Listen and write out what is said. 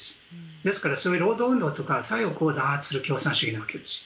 ですから、そういう労働運動とか左翼を弾圧する共産主義なわけです。